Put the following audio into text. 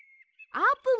あーぷん！